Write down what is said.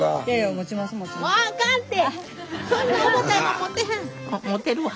「持てるわ」。